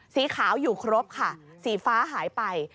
สีขาวอยู่ครบค่ะสีฟ้าหายไป